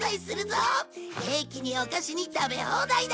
ケーキにお菓子に食べ放題だ！